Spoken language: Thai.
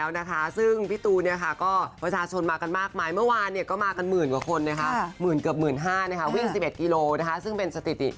นี่คือวิ่งฝ่ากลางฝนแบบนี้หรือเปล่าคะมีทั้งแต่มีทั้งฝน